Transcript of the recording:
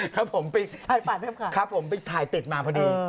ครับผมไปถ่ายติดมาพอดี